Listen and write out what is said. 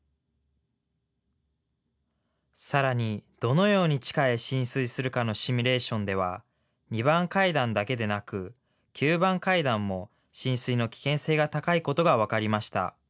さらにどのように地下へ浸水するかのシミュレーションでは２番階段だけでなく、９番階段も浸水の危険性が高いことが分かりました。